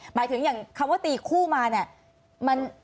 หมายถึงอย่างคำว่าตีคู่มาเนี่ย